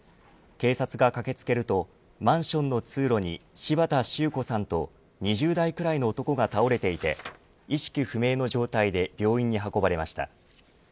警察が駆けつけるとマンションの通路に柴田周子さんと２０代ぐらいの男が倒れていて意識不明の状態で病院に運ばれました。